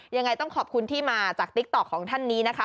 ยังไงต้องขอบคุณที่มาจากติ๊กต๊อกของท่านนี้นะคะ